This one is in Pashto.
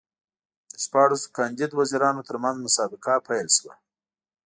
د شپاړسو کاندید وزیرانو ترمنځ مسابقه پیل شوه.